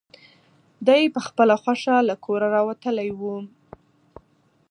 دی په خپله خوښه له کوره راوتلی و.